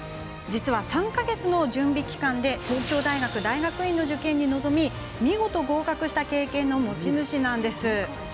実は、３か月の準備期間で東京大学大学院の受験に臨み見事、合格した経験の持ち主なんです。